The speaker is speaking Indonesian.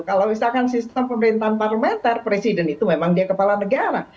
kalau misalkan sistem pemerintahan parlementer presiden itu memang dia kepala negara